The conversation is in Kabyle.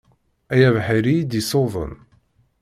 Ay abeḥri i d-isuḍen